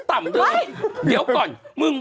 เป็นการกระตุ้นการไหลเวียนของเลือด